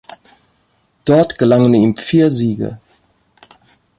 Dort gelangen ihm vier Siege.